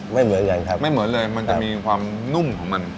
ไม่เหลือใหญ่ครับไม่เหมือนเลยมันจะมีความนุ่มของมัน